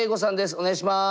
お願いします。